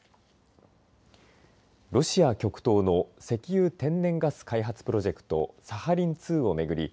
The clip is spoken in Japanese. ロシア極東の石油・天然ガス開発プロジェクトサハリン２を巡り